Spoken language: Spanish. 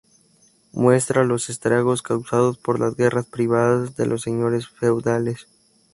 Muestra los estragos causados por las guerras privadas de los señores feudales.